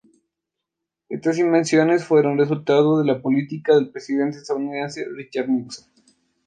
Estas invasiones fueron resultado de la política del presidente estadounidense Richard Nixon.